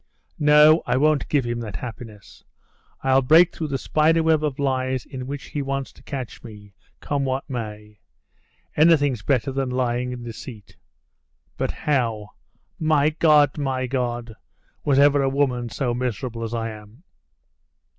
No, I won't give him that happiness. I'll break through the spiderweb of lies in which he wants to catch me, come what may. Anything's better than lying and deceit." "But how? My God! my God! Was ever a woman so miserable as I am?..."